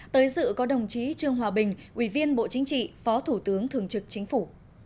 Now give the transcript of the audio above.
tới dự có đồng chí trương hòa bình ủy viên bộ chính trị phó thủ tướng thường trực chính phủ